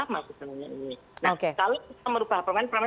nah kalau kita merubah permen pertama